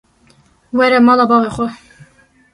Were mala bavê xwe.